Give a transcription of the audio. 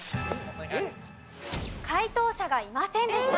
解答者がいませんでした。